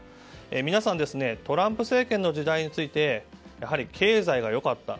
皆さん、トランプ政権の時代についてやはり、経済が良かった。